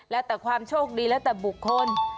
แล้วแต่ความโชคดีแล้วแต่บุคคล